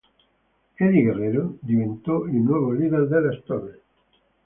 Eddie Guerrero diventò il nuovo leader della stable.